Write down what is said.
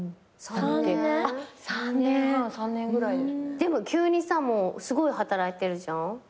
でも急にさもうすごい働いてるじゃん。